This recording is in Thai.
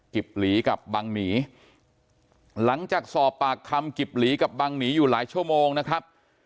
หลีกับบังหนีหลังจากสอบปากคำกิบหลีกับบังหนีอยู่หลายชั่วโมงนะครับ